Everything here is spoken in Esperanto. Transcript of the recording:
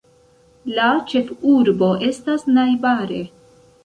La ĉefurbo estas najbare.